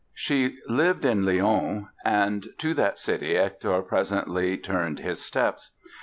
She lived in Lyon and to that city Hector presently turned his steps.